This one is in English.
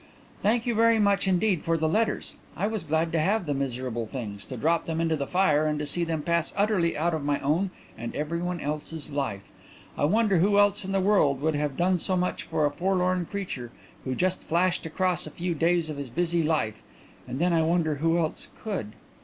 "Thank you very much indeed for the letters. I was glad to have the miserable things, to drop them into the fire, and to see them pass utterly out of my own and everybody else's life. I wonder who else in the world would have done so much for a forlorn creature who just flashed across a few days of his busy life? and then I wonder who else could.